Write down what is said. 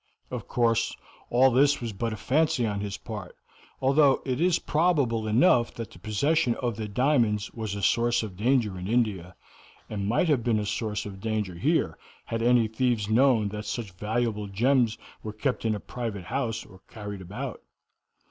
Of course all this was but a fancy on his part, although it is probable enough that the possession of the diamonds was a source of danger in India, and might have been a source of danger here had any thieves known that such valuable gems were kept in a private house or carried about.